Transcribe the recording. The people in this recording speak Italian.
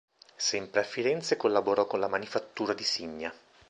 Sempre a Firenze collaborò con la Manifattura di Signa.